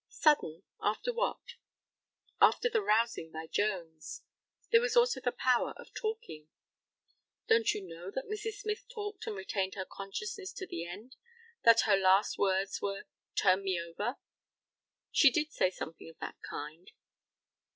Sudden after what? After the rousing by Jones. There was also the power of talking. Don't you know that Mrs. Smyth talked and retained her consciousness to the end; that her last words were "turn me over?" She did say something of that kind.